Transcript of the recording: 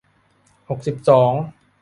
หกสิบสอง